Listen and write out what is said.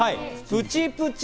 プチプチ？